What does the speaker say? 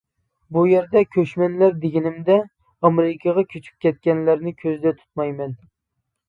بۇ يەردە كۆچمەنلەر دېگىنىمدە، ئامېرىكىغا كۆچۈپ كەتكەنلەرنى كۆزدە تۇتمايمەن.